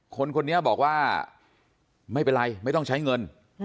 คนนี้บอกว่าไม่เป็นไรไม่ต้องใช้เงิน